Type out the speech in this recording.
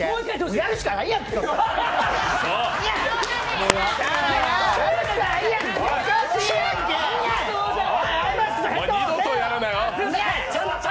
やるしかないやん！